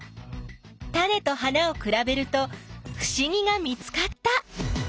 タネと花をくらべるとふしぎが見つかった！